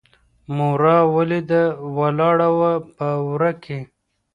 مورا ولیده ولاړه وه په وره کي